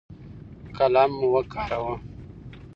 قلم وکاروه.